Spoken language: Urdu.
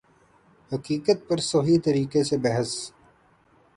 حقیقت پر صحیح طریقہ سے بحث